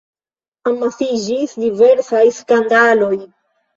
Amasiĝis diversaj skandaloj.